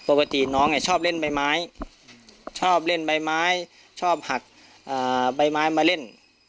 ปกติน้องชอบเล่นใบไม้ชอบเล่นใบไม้ชอบหักใบไม้มาเล่น